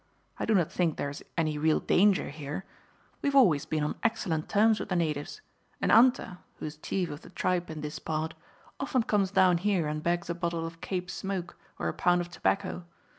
I do not think there is any real danger here. We have always been on excellent terms with the natives, and Anta, who is chief of the tribe in this part, often comes down here and begs a bottle of Cape smoke or a pound of tobacco.